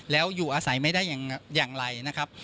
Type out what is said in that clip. แล้วอยู่อาศัยไม่ได้อย่างไรนะครับ